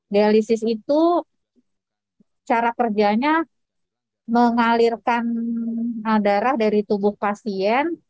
dialisis itu cara kerjanya mengalirkan darah dari tubuh pasien